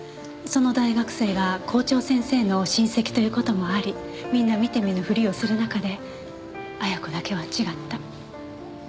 その大学生が校長先生の親戚という事もありみんな見て見ぬふりをする中で亜矢子だけは違った。